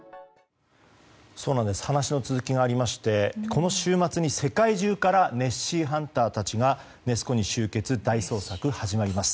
話の続きがありましてこの週末に世界中からネッシーハンターたちがネス湖に集結大捜索が始まります。